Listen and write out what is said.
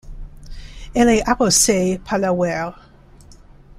Elle est arrosée par la Werre.